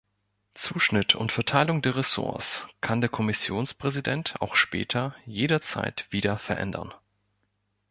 Zuschnitt und Verteilung der Ressorts kann der Kommissionspräsident auch später jederzeit wieder verändern.